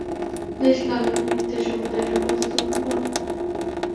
দেশ কাল ও নিমিত্তের সমুদয় বস্তু বদ্ধ।